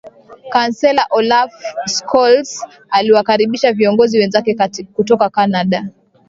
Kansela Olaf Scholz aliwakaribisha viongozi wenzake kutoka Canada